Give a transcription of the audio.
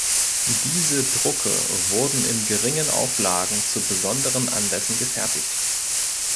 Diese Drucke wurden in geringen Auflagen zu besonderen Anlässen gefertigt.